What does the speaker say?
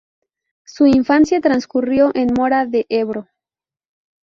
Su infancia transcurrió en Mora de Ebro.